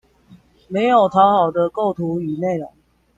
沒有討好的構圖與內容